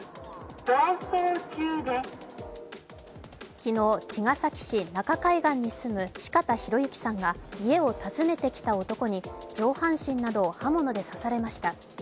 昨日、茅ヶ崎市中海岸に住む四方洋行さんが家を訪ねてきた男に上半身などを刃物で刺されました。